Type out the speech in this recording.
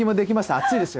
熱いですよ。